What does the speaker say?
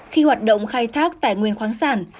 khi hoạt động khai thác tài nguyên khoáng sản